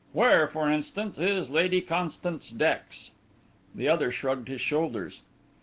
Where, for instance, is Lady Constance Dex?" The other shrugged his shoulders.